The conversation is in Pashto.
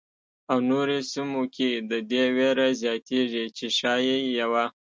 او نورو سیمو کې د دې وېره زیاتېږي چې ښايي یوه.